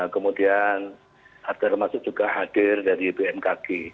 kemudian termasuk juga hadir dari bmkg